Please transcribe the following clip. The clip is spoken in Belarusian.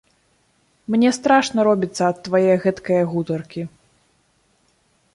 Мне страшна робіцца ад твае гэткае гутаркі.